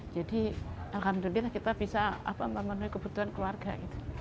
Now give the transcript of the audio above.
jadi alhamdulillah kita bisa memenuhi kebutuhan keluarga gitu